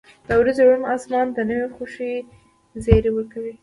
• د ورځې روڼ آسمان د نوې خوښۍ زیری ورکوي.